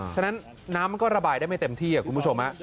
ฉะนั้นน้ำมันก็ระบายได้ไม่เต็มที่คุณผู้ชม